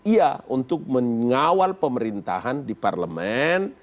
iya untuk mengawal pemerintahan di parlemen